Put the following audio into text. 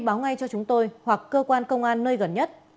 báo ngay cho chúng tôi hoặc cơ quan công an nơi gần nhất